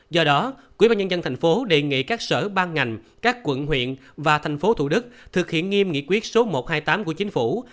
do đó quỹ bà nhân dân tp hcm đề nghị các sở ban ngành các quận huyện và tp hcm thực hiện nghiêm nghị quyết số một trăm hai mươi tám của chính phủ